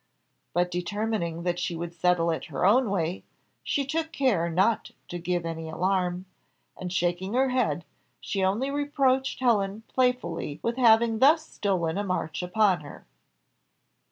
But, determining that she would settle it her own way, she took care not to give any alarm, and shaking her head, she only reproached Helen playfully with having thus stolen a march upon her.